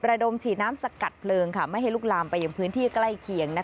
ระดมฉีดน้ำสกัดเพลิงไม่ให้ลุกลามไปยังพื้นที่ใกล้เคียง